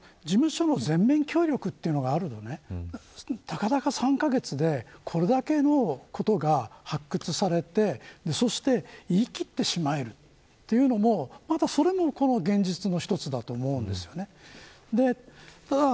ただ事務所の全面協力というのがあって、たかだか３カ月でこれだけのことが発掘されてそして言い切ってしまえるというのもまたそれも現実の一つだと思うんです。